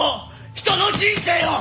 人の人生を！